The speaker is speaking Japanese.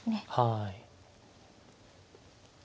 はい。